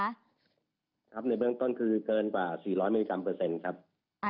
ครับในเบื้องต้นคือเกินกว่า๔๐๐มิลลิกรัมเปอร์เซ็นต์ครับ